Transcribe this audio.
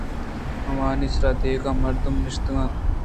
آوانی سرا دگہ مردم نشتگ اَنت